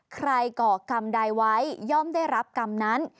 ก่อกรรมใดไว้ย่อมได้รับกรรมนั้น